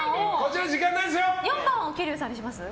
４番を桐生さんにします？